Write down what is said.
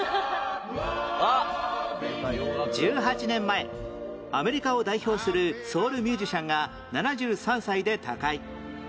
１８年前アメリカを代表するソウルミュージシャンが７３歳で他界